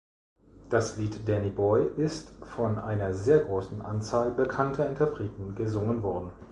Das Lied "Danny Boy" ist von einer sehr großen Anzahl bekannter Interpreten gesungen worden.